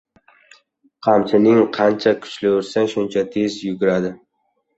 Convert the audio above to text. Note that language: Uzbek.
• Qamchining qancha kuchli ursang, shuncha tez yuguradi.